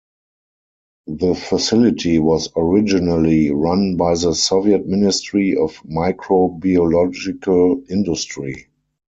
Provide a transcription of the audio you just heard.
The facility was originally run by the Soviet Ministry of Microbiological Industry.